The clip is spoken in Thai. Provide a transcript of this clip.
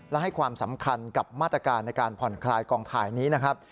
และให้ความสำคัญกับมาตรการในการผ่อนคลายกองถ่ายนี้นะครับ